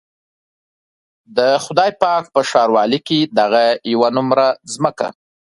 د خدای پاک په ښاروالۍ کې دغه يوه نومره ځمکه.